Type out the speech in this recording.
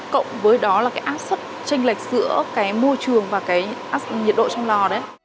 cộng với áp sức tranh lệch giữa môi trường và nhiệt độ trong lò